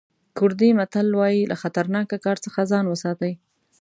کوردي متل وایي له خطرناکه کار څخه ځان وساتئ.